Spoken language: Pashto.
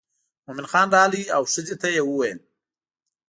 مومن خان راغی او ښځې ته یې وویل.